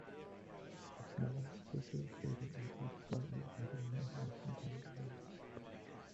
A small, circular crater intrudes slightly into the northwestern part of the rim.